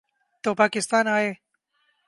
تو پاکستان آئیں۔